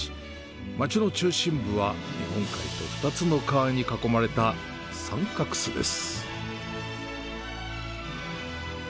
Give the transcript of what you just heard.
町の中心部は、日本海と２つの川に囲まれた三角州です。